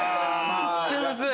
めっちゃムズい！